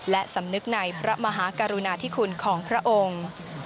และสำนึกในพระมหากรุณาธิคุณของพระองค์